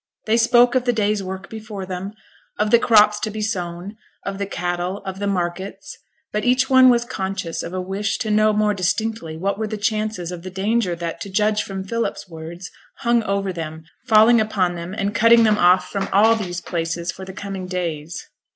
They spoke of the day's work before them; of the crops to be sown; of the cattle; of the markets; but each one was conscious of a wish to know more distinctly what were the chances of the danger that, to judge from Philip's words, hung over them, falling upon them and cutting them off from all these places for the coming days.